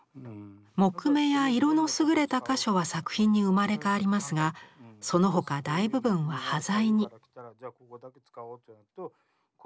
木目や色の優れた箇所は作品に生まれ変わりますがその他大部分は端材に。